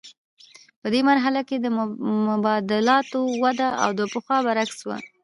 په دې مرحله کې د مبادلاتو وده د پخوا برعکس وه